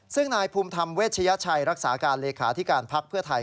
ซึ่งนายภูมิธรรมเวชยชัยรักษาการเลขาธิการพักเพื่อไทย